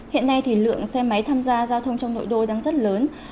hiện nay thì lượng xe máy tham gia giao thông trong nội đô đang rất lớn